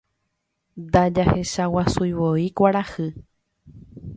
Ndajahechaguasúivoi kuarahy.